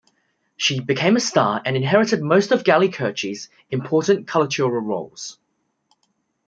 She became a star and inherited most of Galli-Curci's important coloratura roles.